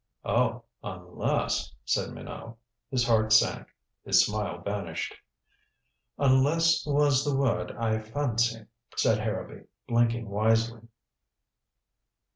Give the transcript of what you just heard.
"Oh unless," said Minot. His heart sank. His smile vanished. "Unless was the word, I fancy," said Harrowby, blinking wisely.